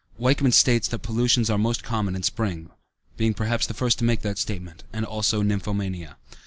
Wichmann states that pollutions are most common in spring (being perhaps the first to make that statement), and also nymphomania.